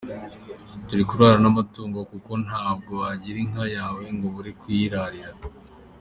Turi kurarana n’amatungo kuko ntabwo wagira inka yawe ngo ubure kuyirarira.